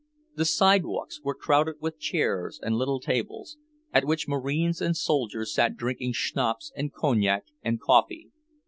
The sidewalks were crowded with chairs and little tables, at which marines and soldiers sat drinking schnapps and cognac and coffee.